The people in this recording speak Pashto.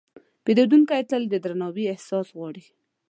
پیرودونکی تل د درناوي احساس غواړي.